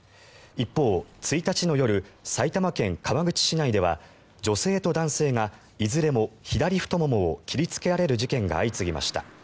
一方、１日の夜埼玉県川口市内では女性と男性が、いずれも左太ももを切りつけられる事件が相次ぎました。